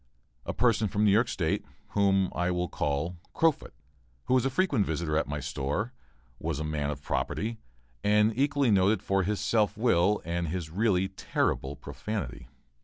A person from New York State, whom I will call Crofut, who was a frequent visitor at my store, was a man of property, and equally noted for his self will and his really terrible profanity.